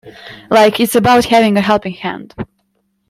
Like it's about having a helping hand.